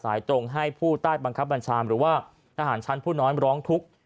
ตรงให้ผู้ใต้บังคับบัญชาหรือว่าทหารชั้นผู้น้อยร้องทุกข์